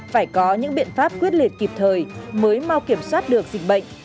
phải có những biện pháp quyết liệt kịp thời mới mau kiểm soát được dịch bệnh